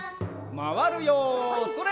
まわるよそれ！